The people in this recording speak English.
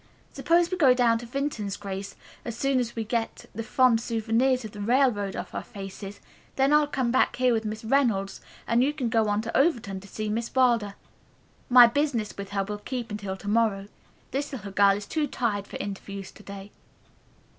Suppose we go down to Vinton's, Grace, as soon as we get the fond souvenirs of the railroad off our faces. Then I'll come back here with Miss Reynolds and you can go on to Overton to see Miss Wilder. My business with her will keep until to morrow. This little girl is too tired for interviews to day."